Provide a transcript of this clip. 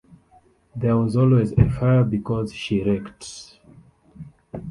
There was always a fire, because she raked.